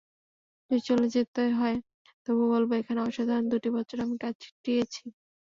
যদি চলে যেতে হয়, তবুও বলব এখানে অসাধারণ দুটি বছর আমি কাটিয়েছি।